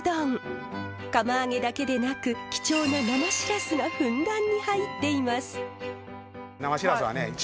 釜揚げだけでなく貴重な生シラスがふんだんに入っています。